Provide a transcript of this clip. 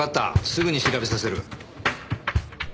すぐに調べさせる。